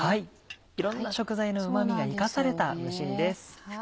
色んな食材のうまみが生かされた蒸し煮です。